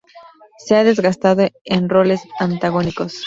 Se ha destacado en roles antagónicos.